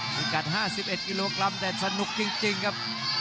สกัด๕๑กิโลกรัมแต่สนุกจริงครับ